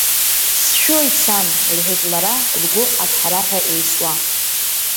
Сшәоит, сан, — лҳәеит лара лгәы аҭҳараҳәа еисуа.